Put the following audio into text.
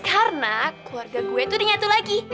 karena keluarga gue tuh di nyatu lagi